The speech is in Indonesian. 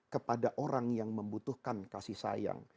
kepada orang yang membutuhkan kasih sayang